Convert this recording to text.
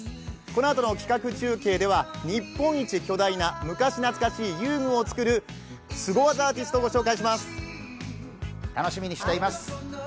このあとの企画中継では、日本一巨大な昔懐かしい遊具をつくるすご技アーティストを御紹介します。